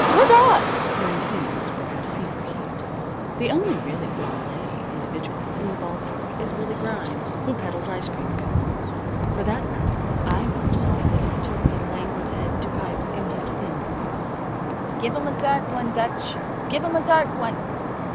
Good eye!" when things were at fever heat. The only really blase individual in the ball park is Willie Grimes, who peddles ice cream cones. For that matter, I once saw Willie turn a languid head to pipe, in his thin voice, "Give 'em a dark one, Dutch! Give 'em a dark one!"